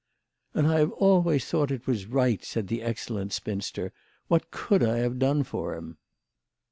"And I have always thought it was right," said the excellent spinster. "What could I have done for him